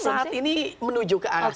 saat ini menuju ke arah